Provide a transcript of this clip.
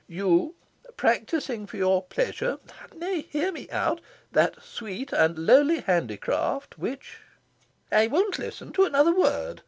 You, practising for your pleasure nay, hear me out! that sweet and lowly handicraft which " "I won't listen to another word!"